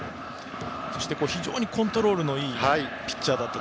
そして、非常にコントロールのいいピッチャーだったと。